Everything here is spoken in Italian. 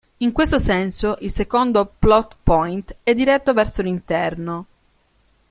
In questo senso, il secondo plot point è diretto verso l'interno.